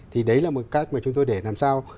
thì đấy là một cách mà chúng tôi để làm sao